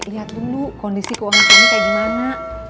lihat dulu kondisi keuangan kayak gimana